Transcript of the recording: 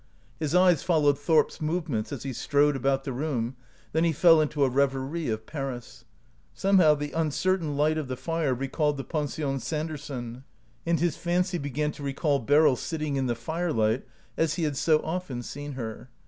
His eyes followed Thorp's movements as he strode about the room, then he fell into a reverie of Paris. Somehow the uncertain light of the fire recalled the Pension Sander son, and his fancy began to recall Beryl sit ting in the firelight, as he had so often seen her.